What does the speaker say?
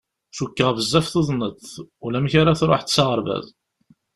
Cukkeɣ bezzaf tuḍneḍ, ulamek ara truḥeḍ s aɣerbaz.